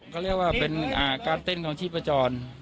ก็เรียกว่าเป็นอาการเต้นของชีพประจอน